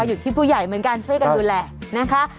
อยู่ที่ผู้ใหญ่เหมือนกันช่วยกันดูแลนะคะ